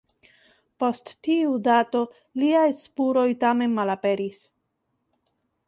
Post tiu dato liaj spuroj tamen malaperis.